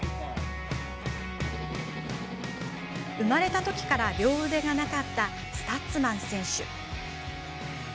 生まれたときから両腕がなかったスタッツマン選手。